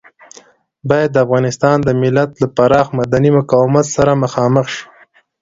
بايد د افغانستان د ملت له پراخ مدني مقاومت سره مخامخ شي.